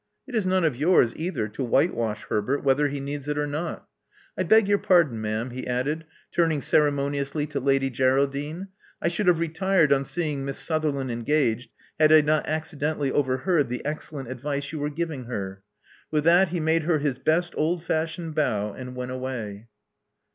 It is none of yours, either, to whitewash Herbert, whether he needs it or not. I beg your pardon, ma'am," he added, turning ceremoniously to Lady Geraldine. I should have retired on seeing Miss Sutl^prland engaged, had I not accidentally over heard the excellent advice you were giving her." With that, he made her his best old fashioned bow, and went away.